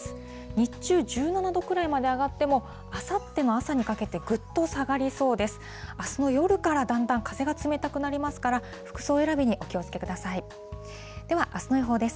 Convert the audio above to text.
日中１７度くらいまで上がっても、あさっての朝にかけてぐっと下がりそうです。